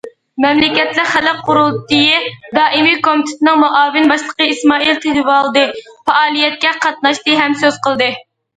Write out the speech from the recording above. مەملىكەتلىك خەلق قۇرۇلتىيى دائىمىي كومىتېتىنىڭ مۇئاۋىن باشلىقى ئىسمائىل تىلىۋالدى پائالىيەتكە قاتناشتى ھەم سۆز قىلدى.